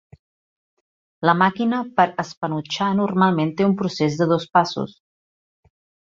La màquina per espanotxar normalment té un procés de dos passos.